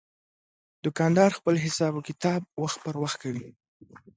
دوکاندار خپل حساب کتاب وخت پر وخت ګوري.